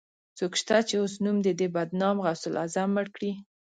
څوک شته، چې اوس نوم د دې بدنام غوث العظم مړ کړي